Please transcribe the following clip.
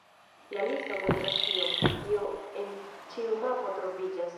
La listo montras tion, kio en ĉiu mapo troviĝas.